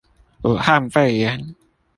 武漢肺炎